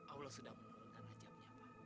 allah sudah meneratkan siapa